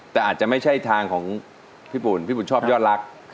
แต่อาจจะไม่ใช่ทางของพี่ปุ่นพี่บุญชอบยอดรัก